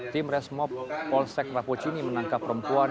tim resmob polsek rapocini menangkap perempuan